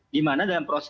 dimana dalam proses